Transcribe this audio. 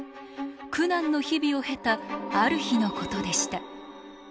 苦難の日々を経たある日のことでした。